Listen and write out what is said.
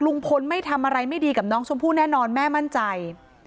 ลุงพลไม่ทำอะไรไม่ดีกับน้องชมพู่แน่นอนแม่มั่นใจ